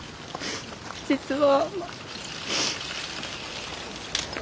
実は。